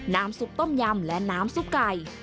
น้ำซุปต้มยำและน้ำซุปไก่